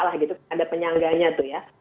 ada penyangganya itu ya